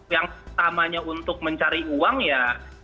yang pertamanya untuk mencari uang ya